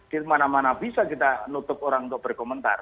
di mana mana bisa kita nutup orang untuk berkomentar